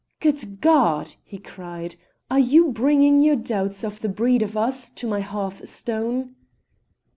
"Good God!" he cried, "are you bringing your doubts of the breed of us to my hearthstone?"